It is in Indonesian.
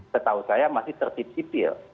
setahu saya masih tertib sipil